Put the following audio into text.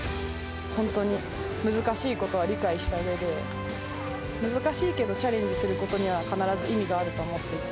本当に難しいことは理解したうえで、難しいけどチャレンジすることには必ず意味があると思っていて。